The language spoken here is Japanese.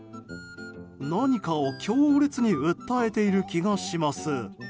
何かを強烈に訴えている気がします。